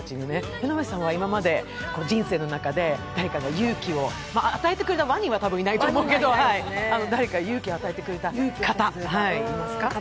江上さんは今まで人生の中で勇気を与えてくれたワニはたぶんいないと思うけど、勇気を与えてくれた方はいますか？